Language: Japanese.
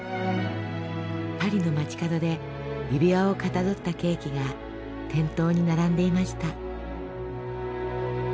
パリの街角で指輪をかたどったケーキが店頭に並んでいました。